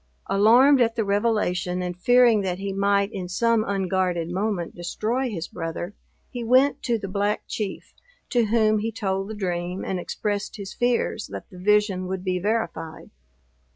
Alarmed at the revelation, and fearing that he might in some unguarded moment destroy his brother, he went to the Black Chief, to whom he told the dream, and expressed his fears that the vision would be verified.